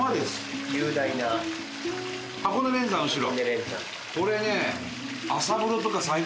伊達：箱根連山、後ろ。